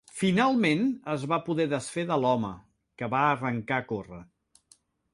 Finalment, es va poder desfer de l’home, que va arrencar a córrer.